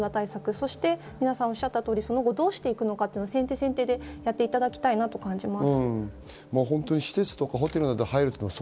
そして皆さんがおっしゃったように今後どうしていくのか先手でやっていただきたいなと思います。